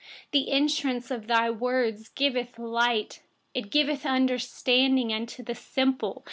130The entrance of your words gives light. It gives understanding to the simple.